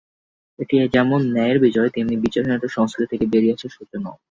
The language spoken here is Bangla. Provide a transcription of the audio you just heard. এটি যেমন ন্যায়ের বিজয়, তেমনি বিচারহীনতার সংস্কৃতি থেকে বেরিয়ে আসার সূচনাও।